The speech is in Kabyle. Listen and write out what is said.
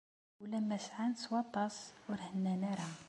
Ulamma sεan s waṭas, ur hennan ara.